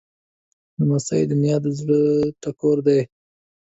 لمسی د نیا د زړه ټکور دی.